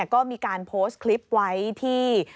ก็มีการโพสต์คลิปไว้ที่